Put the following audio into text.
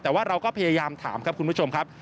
แต่ว่าเราก็พยายามถามครับคุณผู้ชมครับ